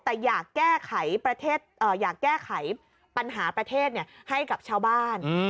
แต่อยากแก้ไขอยากแก้ไขปัญหาประเทศให้กับชาวบ้าน